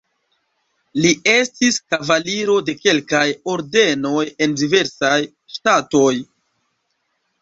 Li estis kavaliro de kelkaj ordenoj en diversaj ŝtatoj.